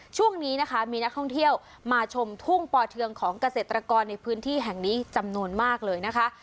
ช่วงนี้นะคะมีนักท่องเที่ยวมาชมทุ่งป่อเทืองของเกษตรกรในพื้นที่แห่งนี้จำนวนมากเลยนะคะ